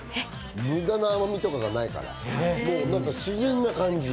無駄な甘みとかがないから自然な感じ。